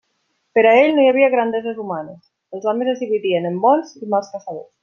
Per a ell no hi havia grandeses humanes: els homes es dividien en bons i mals caçadors.